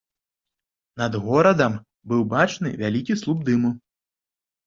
Над горадам быў бачны вялікі слуп дыму.